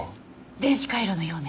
電子回路のようね。